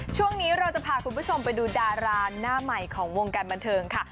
ช่วงนี้เราจะพาคุณผู้ชมไปดูดาราหน้าใหม่ของวงการบันเทิงค่ะ